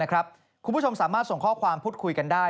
คุณผู้ชมสามารถส่งข้อความพูดคุยกันได้